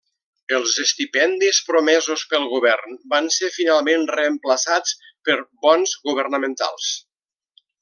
Els estipendis promesos pel govern van ser finalment reemplaçats per bons governamentals.